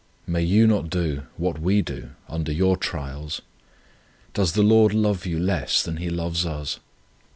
May you not do, what we do, under your trials? Does the Lord love you less than He loves us?